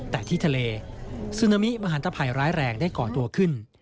แต่ที่ทะเลซึนามิมหันตภัยร้ายแรงได้ก่อตัวขึ้น